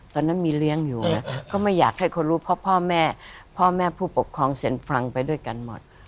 ตอนนั้นมีเลี้ยงอยู่นะก็ไม่อยากให้คนรู้เพราะพ่อแม่พ่อแม่ผู้ปกครองเสียงฟังไปด้วยกันหมด